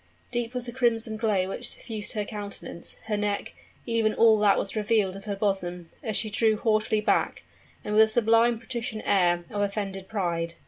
Deep was the crimson glow which suffused her countenance her neck even all that was revealed of her bosom, as she drew haughtily back, and with a sublime patrician air of offended pride.